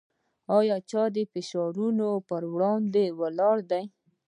آیا چې د فشارونو پر وړاندې ولاړ دی؟